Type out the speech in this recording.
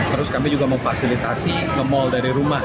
terus kami juga memfasilitasi nge mall dari rumah